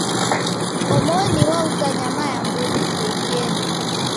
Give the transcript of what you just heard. Omoni wauza nyama ya mburi iekeri.